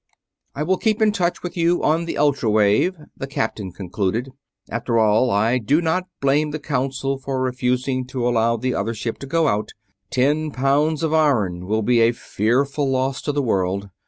"... I will keep in touch with you on the ultra wave," the Captain concluded. "After all, I do not blame the Council for refusing to allow the other ship to go out. Ten pounds of iron will be a fearful loss to the world.